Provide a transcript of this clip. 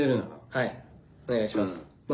はいお願いします。